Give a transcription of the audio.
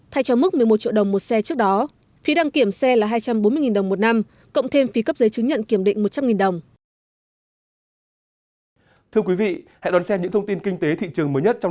thay cho mức một mươi một triệu đồng một xe trước đó phí đăng kiểm xe là hai trăm bốn mươi đồng một năm cộng thêm phí cấp giấy chứng nhận kiểm định một trăm linh đồng